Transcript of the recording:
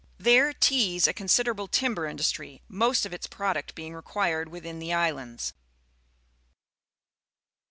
There Ts a considerable tiinber industry, most of its product being required within the islands.